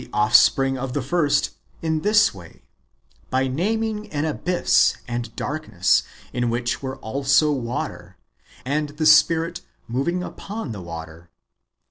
75 offspring of the first, in this way — by naming an abyss and darkness, in which were also water, and the Spirit moving npon the water.